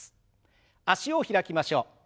脚を開きましょう。